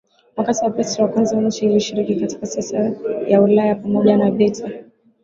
wakati wa Petro wa kwanza nchi ilishiriki katika siasa ya Ulaya pamoja na vita